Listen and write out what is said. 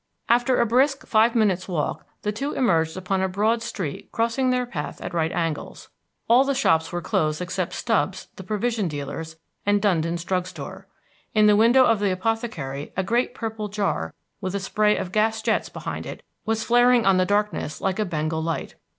After a brisk five minutes' walk the two emerged upon a broad street crossing their path at right angles. All the shops were closed except Stubbs the provision dealer's and Dundon's drug store. In the window of the apothecary a great purple jar, with a spray of gas jets behind it, was flaring on the darkness like a Bengal light.